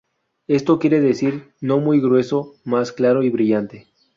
Esto quiere decir no muy grueso, más claro y brillante.